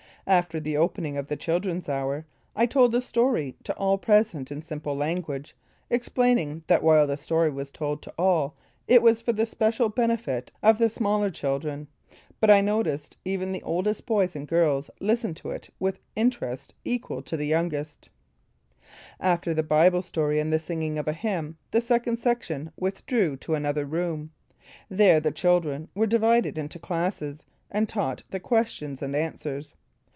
After the opening of "The Children's Hour," I told the story to all present in simple language, explaining that while the story was told to all it was for the special benefit of the smaller children; but =I noticed even the oldest boys and girls listened to it with interest equal to the youngest=. After the Bible story and the singing of a hymn, the Second Section withdrew to another room. There the children were divided into classes, and taught the questions and answers.